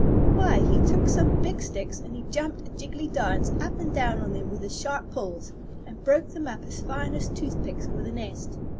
Why, he took some big sticks and he jumped a jiggily dance up and down on them with his sharp paws, and broke them up as fine as toothpicks for the nest.